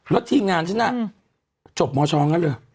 แล้วทีมงานฉันน่ะจบมชงั้นเลย